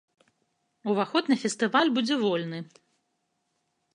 Уваход на фестываль будзе вольны.